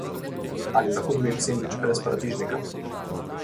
Ali lahko dobim sendvič brez paradižnika?